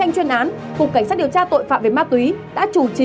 chuyên án cục cảnh sát điều tra tội phạm về ma túy đã chủ trì